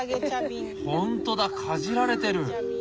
ほんとだかじられてる！